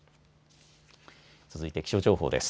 続いて気象情報です。